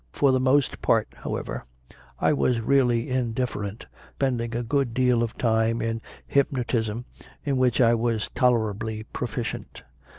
For the most part, however, I was really indifferent, spending a good deal of time in hypnotism in which I was tolerably proficient.